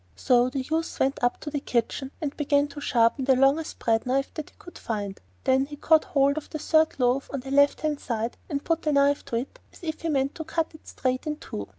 So the youth went up to the kitchen, and began to sharpen the largest bread knife that he could find; then he caught hold of the third loaf on the left hand side, and put the knife to it as if he meant to cut it straight in two.